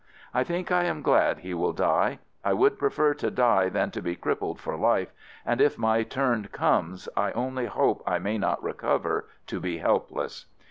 I think I am glad he will die. I would prefer to die than to be crip pled for life, and if my turn comes I only hope I may not recover to be helpless.